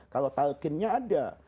kalau talkinnya ada